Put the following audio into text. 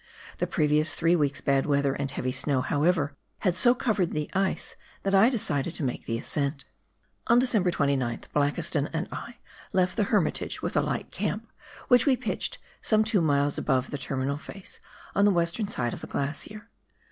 The previous three weeks' bad weather and heavy snow, however, had so covered the ice that I decided to make the ascent. On December 29th Blakiston and I left the Hermitage with a light camp, which we pitched some two miles above the ter minal face on the western side of the glacier.